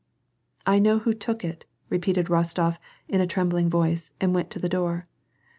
" I know who took it," repeated Bostof, in a trembling voice, and went to the door.